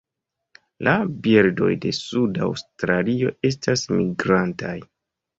La birdoj de suda Aŭstralio estas migrantaj.